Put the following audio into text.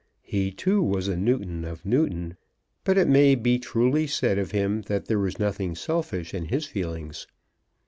He too was a Newton of Newton; but it may be truly said of him that there was nothing selfish in his feelings.